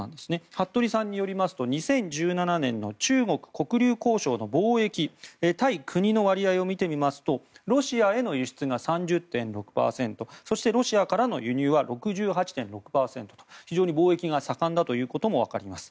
服部さんによりますと２０１７年、中国黒竜江省の貿易対国の割合を見てみますとロシアへの輸出が３０．６％そして、ロシアからの輸入は６８．６％と非常に貿易が盛んだということも分かります。